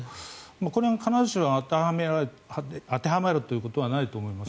必ずしも当てはまるということはないと思います。